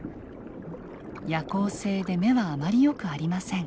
夜行性で目はあまりよくありません。